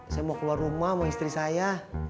saya mau keluar rumah sama istri saya